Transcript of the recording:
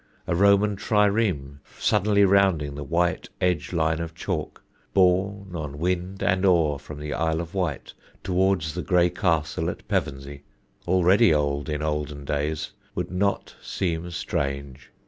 A Roman trireme suddenly rounding the white edge line of chalk, borne on wind and oar from the Isle of Wight towards the gray castle at Pevensey (already old in olden days), would not seem strange.